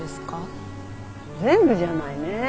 全部じゃないね。